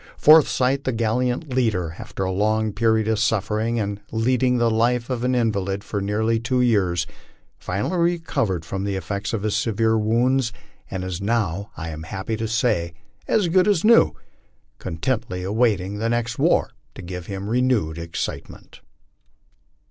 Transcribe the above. Forsyth, the gallant leader, after a long period of suffering and leading ti.3 life of an invalid for nearly two years, finally recovered from the effects of his severe wounds, and is now, I am happy to say, as good as new, contentedly awaiting the next war to give him renewed excitement.